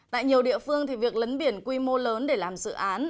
tại nhiều địa phương việc lấn biển quy mô lớn để làm dự án